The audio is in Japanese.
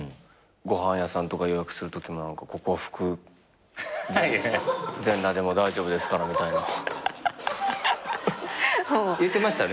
ご飯屋さんとか予約するときも「ここは服全裸でも大丈夫ですから」みたいな。ハハハハ言ってましたね。